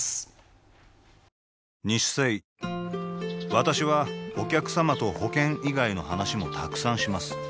私はお客様と保険以外の話もたくさんします